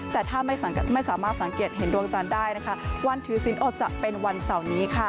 แต่ถ้าไม่สามารถสังเกตเห็นดวงจันทร์ได้นะคะวันถือศิลปอดจะเป็นวันเสาร์นี้ค่ะ